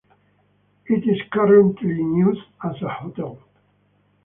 It is currently in use as a hotel.